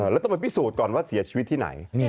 แล้วต้องไปพิสูจน์ก่อนว่าเสียชีวิตที่ไหน